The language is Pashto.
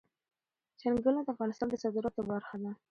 چنګلونه د افغانستان د صادراتو برخه ده.